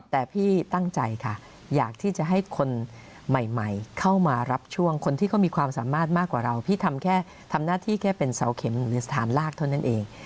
แต่พี่ตั้งใจค่ะอยากที่จะให้คนใหม่เข้ามารับช่วงคนที่เขามีความสามารถมากกว่าเราพี่ทำแค่ทำหน้าที่แค่เป็นเสาเข็มหรือสถานลากเท่านั้นเอง